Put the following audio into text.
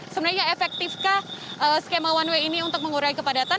sebenarnya efektifkah skema one way ini untuk mengurai kepadatan